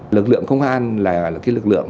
lực lượng công an là cái lực lượng